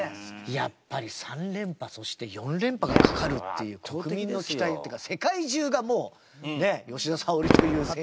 やっぱり３連覇そして４連覇がかかるっていう国民の期待っていうか世界中がもうねえ吉田沙保里という選手